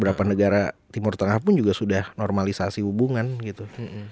beberapa negara timur tengah pun juga sudah normalisasi hubungan gitu